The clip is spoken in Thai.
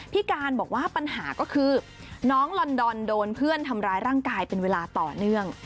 การบอกว่าปัญหาก็คือน้องลอนดอนโดนเพื่อนทำร้ายร่างกายเป็นเวลาต่อเนื่อง